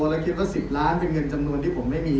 เราคิดว่า๑๐ล้านเป็นเงินจำนวนที่ผมไม่มี